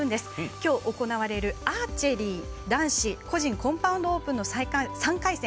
きょう行われるアーチェリー男子個人コンパウンドオープンの３回戦。